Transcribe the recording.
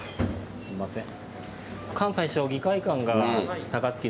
すいません。